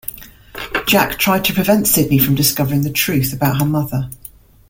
Jack tried to prevent Sydney from discovering the truth about her mother.